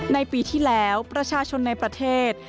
ในปีที่แล้วประชาชนในประเทศ